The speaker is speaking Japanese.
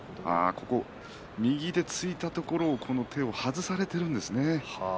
右で突いたところ手を外されていたんですね。